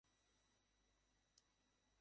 আমাকে এটা করতে বাধ্য করো না!